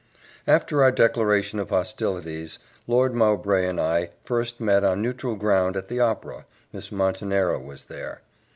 After our declaration of hostilities, Lord Mowbray and I first met on neutral ground at the Opera Miss Montenero was there.